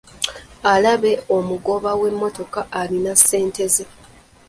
Alabe omugoba w'emmotoka alina ssente ze.